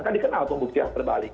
kan dikenal pembuktian terbalik